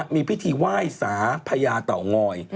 มีพิธีว่ายสาพญาเต่าง้อย